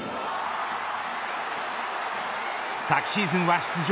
昨シーズンは出場